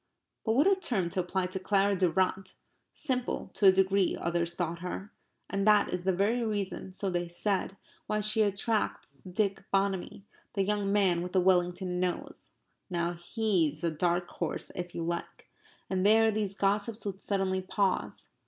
But what a term to apply to Clara Durrant! Simple to a degree, others thought her. And that is the very reason, so they said, why she attracts Dick Bonamy the young man with the Wellington nose. Now HE'S a dark horse if you like. And there these gossips would suddenly pause.